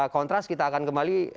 kontras kita akan kembali